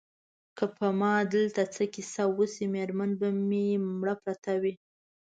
که په ما دلته څه کیسه وشي مېرمنه به مې مړه پرته وي.